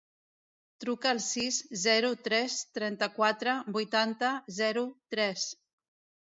Truca al sis, zero, tres, trenta-quatre, vuitanta, zero, tres.